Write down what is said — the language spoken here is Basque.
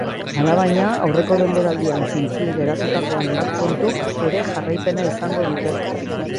Alabaina, aurreko denboraldian zintzilik geratutako hainbat kontuk ere jarraipena izango dute.